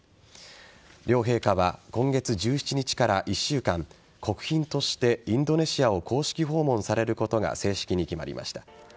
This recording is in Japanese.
両陛下は今月１７日から１週間国賓としてインドネシアを公式訪問されることが正式に決まりました。